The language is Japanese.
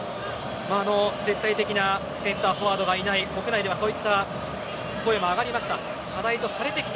絶対的なセンターフォワードがいない国内ではそういった声も上がりました。